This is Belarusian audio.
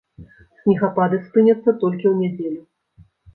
Снегапады спыняцца толькі ў нядзелю.